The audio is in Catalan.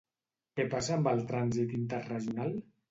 Què passa amb el trànsit interregional?